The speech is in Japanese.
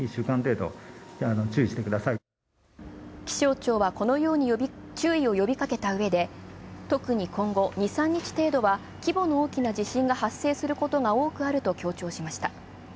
気象庁はこのように注意を呼びかけたうえで、特に今後２３日程度は規模の大きな地震が発生することが多くあると強調しました。